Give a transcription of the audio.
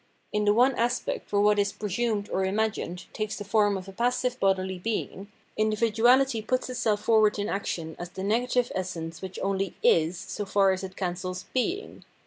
In tlie one aspect wiiere wliat is " presumed " or " imagined " takes the form of a passive bodily being, individuality puts itself forward in action as tlie negative essence whicb only is so far as it cancels being.